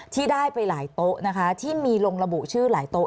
ที่ได้ไปหลายโต๊ะนะคะที่มีลงระบุชื่อหลายโต๊